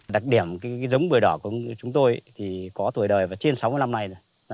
đặc điểm giống bưởi đỏ của chúng tôi thì có tuổi đời và trên sáu mươi năm năm này